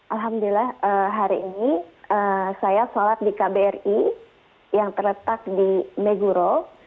alhamdulillah hari ini saya sholat di kbri yang terletak di meguro